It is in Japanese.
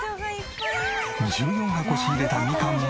１４箱仕入れたみかんも。